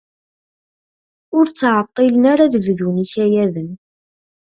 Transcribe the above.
Ur ttɛeṭṭilen ara ad bdun ikayaden.